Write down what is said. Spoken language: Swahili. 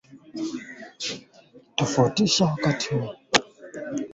Mbuzi na simba aba patanaki